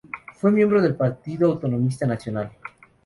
Fue miembro del Partido Autonomista Nacional.